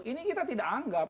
ini kita tidak anggap